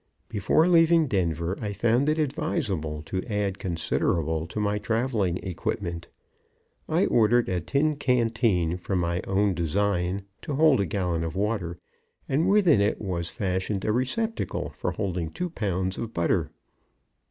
Before leaving Denver I found it advisable to add considerable to my traveling equipment. I ordered a tin canteen from my own design, to hold a gallon of water, and within it was fashioned a receptacle for holding two pounds of butter.